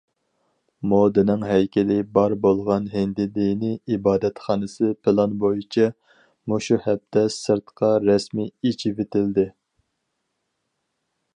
مودىنىڭ ھەيكىلى بار بولغان ھىندى دىنى ئىبادەتخانىسى پىلان بويىچە مۇشۇ ھەپتە سىرتقا رەسمىي ئېچىۋېتىلدى.